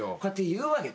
言うわけ。